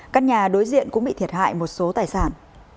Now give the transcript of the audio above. căn nhà đối diện cũng bị thiệt hại một số tài sản